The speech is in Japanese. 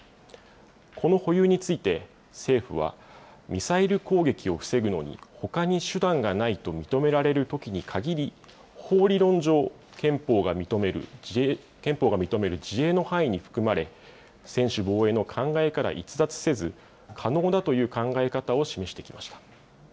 この保有について、政府は、ミサイル攻撃を防ぐのに、ほかに手段がないと認められるときにかぎり、法理論上、憲法が認める自衛の範囲に含まれ、専守防衛の考えから逸脱せず、可能だという考え方を示してきました。